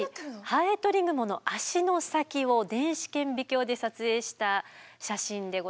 ハエトリグモの脚の先を電子顕微鏡で撮影した写真でございます。